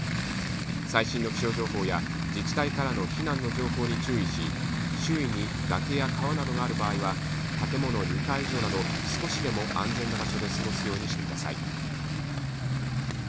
最新の気象情報や自治体からの避難の情報に注意し周囲に、崖や川などがある場合は建物の２階以上など少しでも安全な場所で過ごすようにしてください。